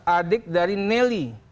adik dari nelly